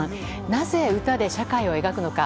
なぜ歌で社会を描くのか。